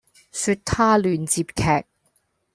說他亂接劇